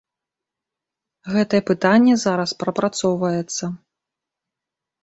Гэтае пытанне зараз прапрацоўваецца.